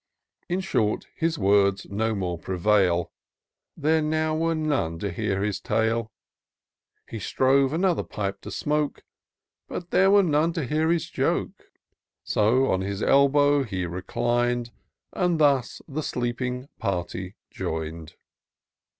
In short, his words no more prevail ; There now were none to hear his tale : He strove another pipe to smoke, But there were none to hear his joke ; So on his elbow he reclin'd. And thus the sleeping party join'd.